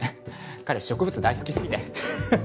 彼植物大好きすぎてはははっ。